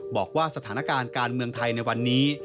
บอกว่าสถานการณ์การเมืองไทยในวันนี้